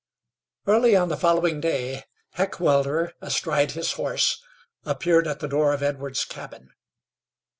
Early on the following day Heckewelder, astride his horse, appeared at the door of Edwards' cabin.